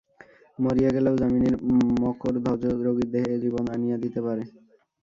মরিয়া গেলেও যামিনীর মকরধ্বজ রোগীর দেহে জীবন আনিয়া দিতে পারে।